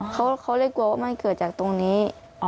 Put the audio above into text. เขาเลยกลัวว่ามันเกิดจากตรงนี้